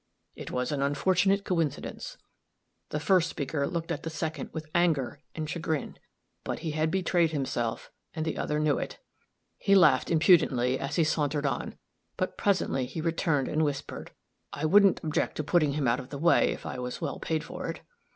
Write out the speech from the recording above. It was an unfortunate coincidence. The first speaker looked at the second with anger and chagrin; but he had betrayed himself, and the other knew it. He laughed impudently, as he sauntered on; but, presently, he returned and whispered, 'I wouldn't object to putting him out of the way, if I was well paid for it.'